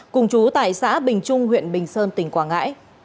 cùng chú tại xã bình trung huyện bình sơn tỉnh quảng ngãi